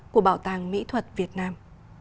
của bảo tàng mỹ thuật việt nam